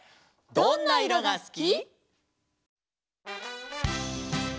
「どんないろがすき」